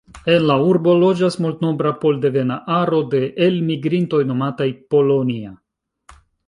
En la urbo loĝas multnombra pol-devena aro de elmigrintoj nomataj: „Polonia”.